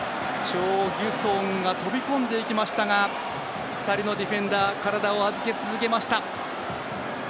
チョ・ギュソンが飛び込んでいきましたが２人のディフェンダー体を預け続けました。